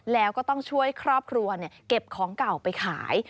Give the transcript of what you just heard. แล้วก็ต้องช่วยครอบครัวเก็บของเก่าไปขาย